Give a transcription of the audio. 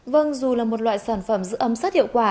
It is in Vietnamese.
vâng dù là một loại sản phẩm giữ ấm sát hiệu quả